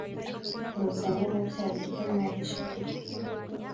Muzane na bya biryo mwahishe turye